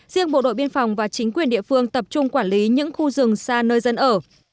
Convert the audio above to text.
riêng bộ đội biên phòng và chính quyền địa phương tập trung quản lý những khu rừng xa nơi dân ở